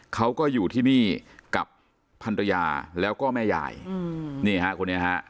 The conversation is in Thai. เขาก็อยู่ที่นี่กับพันตยาแล้วก็แม่ใหญ่นี่ค่ะคนนี้ค่ะ